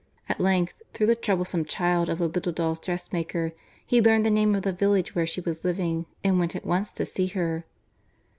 At length, through the "troublesome child" of the little dolls' dressmaker, he learned the name of the village where she was living and went at once to see her.